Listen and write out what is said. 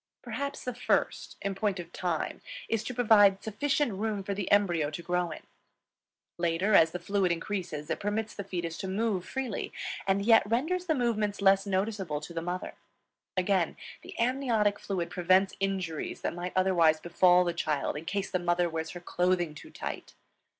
Perhaps the first, in point of time, is to provide sufficient room for the embryo to grow in. Later, as the fluid increases, it permits the fetus to move freely, and yet renders the movements less noticeable to the mother. Again, the amniotic fluid prevents injuries that might otherwise befall the child in case the mother wears her clothing too tight.